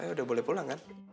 ya udah boleh pulang kan